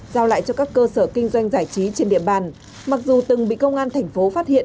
giao lại cho các cơ sở kinh doanh giải trí trên địa bàn mặc dù từng bị công an thành phố phát hiện